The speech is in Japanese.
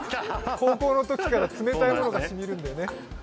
高校のときから冷たいものがしみるんだよね。